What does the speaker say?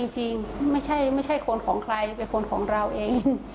จริงไม่ใช่คนของใครเป็นคนของเราเอง